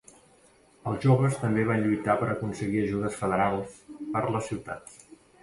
Els joves també van lluitar per aconseguir ajudes federals per les ciutats.